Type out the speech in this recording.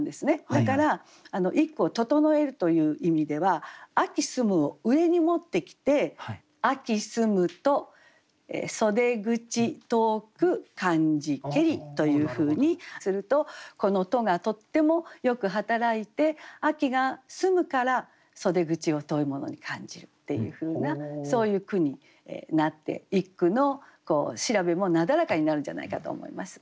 だから一句を整えるという意味では「秋澄む」を上に持ってきて「秋澄むと袖口遠く感じけり」というふうにするとこの「と」がとってもよく働いて秋が澄むから袖口を遠いものに感じるっていうふうなそういう句になって一句の調べもなだらかになるんじゃないかと思います。